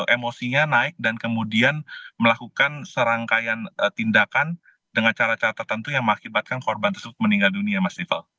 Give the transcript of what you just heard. emosinya naik dan kemudian melakukan serangkaian tindakan dengan cara cara tertentu yang mengakibatkan korban tersebut meninggal dunia mas rival